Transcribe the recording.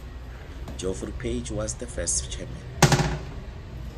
Geoffrey Page was the first chairman.